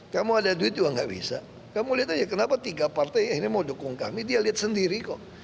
kamu ada duit juga nggak bisa kamu lihat aja kenapa tiga partai eh ini mau dukung kami dia lihat sendiri kok